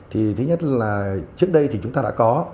thì thứ nhất là trước đây thì chúng ta đã có